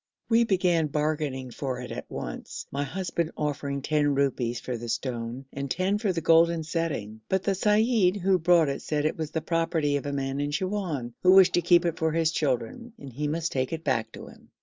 We began bargaining for it at once, my husband offering ten rupees for the stone and ten for the golden setting, but the seyyid who brought it said it was the property of a man in Siwoun, who wished to keep it for his children, and he must take it back to him.